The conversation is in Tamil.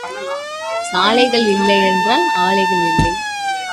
சாலைகள் இல்லை என்றால் ஆலைகள் இல்லை.